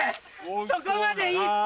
そこまでいいって！